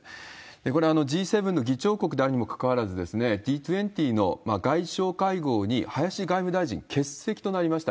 これ、Ｇ７の議長国であるにもかかわらず、Ｇ２０の外相会合に、林外務大臣、欠席となりました。